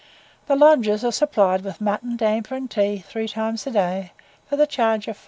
The lodgers are supplied with mutton, damper, and tea, three times a day, for the charge of 5s.